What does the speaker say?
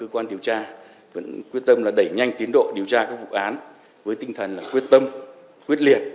cơ quan điều tra vẫn quyết tâm đẩy nhanh tiến độ điều tra các vụ án với tinh thần là quyết tâm quyết liệt